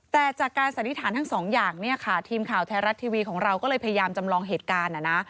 แต่จากการสันนิษฐานทั้งสองอย่างเนี่ยค่ะทีมข่าวไทยรัฐทีวีของเราก็เลยพยายามจำลองเหตุการณ์นะ